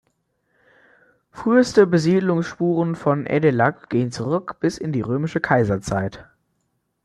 Früheste Besiedlungsspuren von Eddelak gehen zurück bis in die Römische Kaiserzeit.